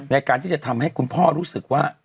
ในการที่จะทำให้คุณพ่อรู้สึกว่า